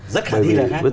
rất khả thi là khác